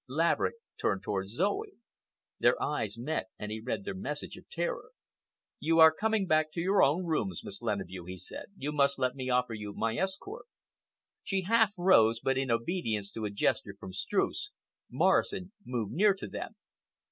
Laverick turned toward Zoe. Their eyes met and he read their message of terror. "You are coming back to your own rooms, Miss Leneveu," he said. "You must let me offer you my escort." She half rose, but in obedience to a gesture from Streuss Morrison moved near to them.